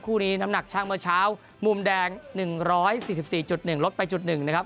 คู่นี้น้ำหนักช่างเมื่อเช้ามุมแดง๑๔๔๑ลดไปจุด๑นะครับ